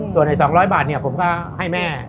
ส่วนใน๒๐๐บาทเนี่ยผมก็ให้แม่